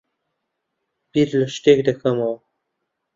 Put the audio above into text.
بیر لە شتێک دەکەمەوە.